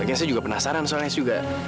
lagian saya juga penasaran soalnya saya juga